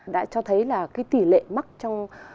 đã cho thấy là cái tỷ lệ mắc trong